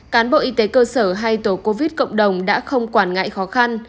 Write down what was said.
cán bộ y tế cơ sở hay tổ covid cộng đồng đã không quản ngại khó khăn